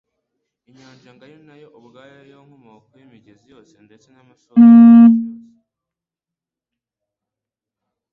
Inyanja ngari nayo ubwayo yo nkomoko y'imigezi yose ndetse n'amasoko yacu yose,